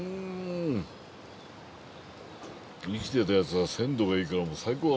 生きてたやつは鮮度がいいから最高だね。